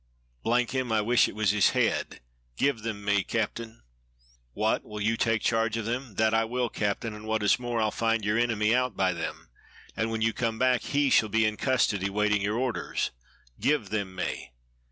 him, I wish it was his head. Give them me, captain." "What, will you take charge of them?" "That I will, captain, and what is more I'll find your enemy out by them, and when you come back he shall be in custody waiting your orders. Give them me."